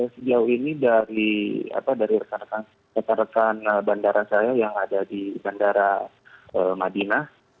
sejauh ini dari rekan rekan bandara saya yang ada di bandara madinah